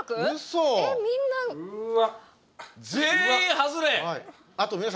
うわ。